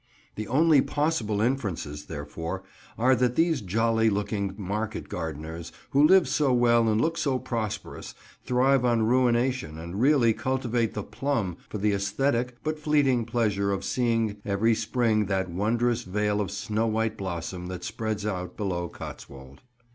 The only possible inferences, therefore, are that these jolly looking market gardeners, who live so well and look so prosperous, thrive on ruination and really cultivate the plum for the æsthetic but fleeting pleasure of seeing every spring that wondrous vale of snow white blossom that spreads out below Cotswold.